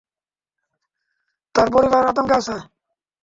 তার পরিবার আতঙ্কে আছে।